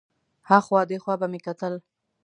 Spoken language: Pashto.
ها خوا دې خوا به مې کتل.